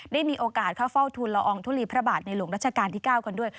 ได้มีโอกาสเข้าเฝ้าทุนละอองทุลีพระบาทในหลวงรัชกาลที่๙กันด้วย